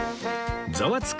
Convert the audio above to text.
『ザワつく！